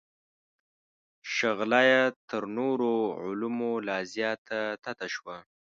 شغله یې تر نورو علومو لا زیاته تته شوه.